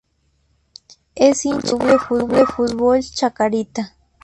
Es hincha del club de fútbol Chacarita.